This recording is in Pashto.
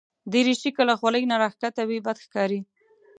دریشي که له خولې نه راښکته وي، بد ښکاري.